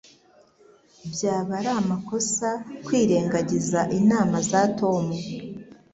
Byaba ari amakosa kwirengagiza inama za Tom.